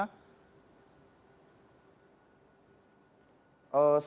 sampai detik ini